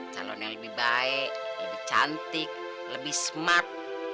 calon yang lebih baik lebih cantik lebih smart